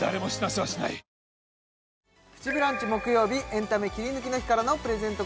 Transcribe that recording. エンタメキリヌキの日からのプレゼント